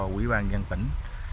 quỹ ban dân tỉnh